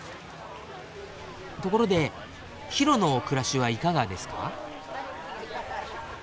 ところでヒロの暮らしはいかがですか？